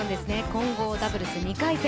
混合ダブルス２回戦。